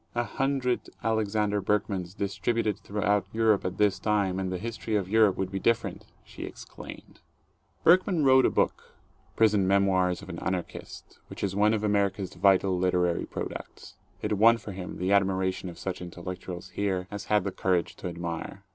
"A hundred Alexander Berkmans distributed throughout Europe at this time, and the history of Europe would be different!" she exclaimed. Berkman wrote a book, "Prison Memoirs of an Anarchist," which is one of America's vital literary products. It won for him the admiration of such intellectuals here as had the courage to admire.